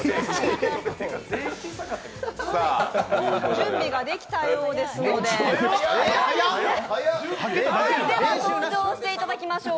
準備ができたようですので登場していただきましょう